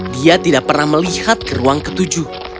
dia tidak pernah melihat ke ruang ketujuh